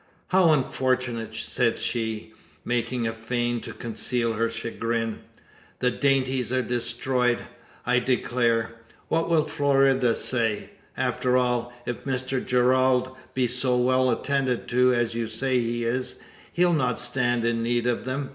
"How unfortunate!" said she, making a feint to conceal her chagrin. "The dainties are destroyed, I declare! What will Florinda say? After all, if Mr Gerald be so well attended to, as you say he is, he'll not stand in need of them.